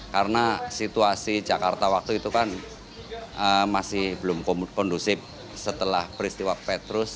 karena situasi jakarta waktu itu kan masih belum kondusif setelah peristiwa petrus